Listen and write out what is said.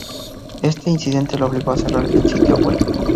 Este incidente la obligó a cerrar el sitio web.